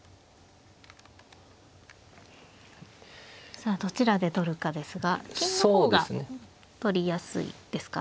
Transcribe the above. さあどちらで取るかですが金の方が取りやすいですか。